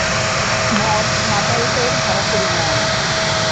মদ-মাতালেদের ভাড়া করি না আমি।